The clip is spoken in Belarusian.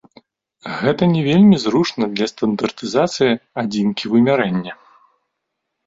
Гэта не вельмі зручна для стандартызацыі адзінкі вымярэння.